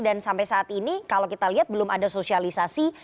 dan sampai saat ini kalau kita lihat belum ada sosialisasi